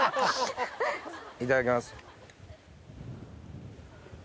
いただきます。